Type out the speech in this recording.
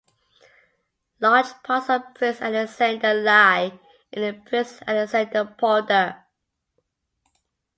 Large parts of Prins Alexander lie in the Prins Alexanderpolder.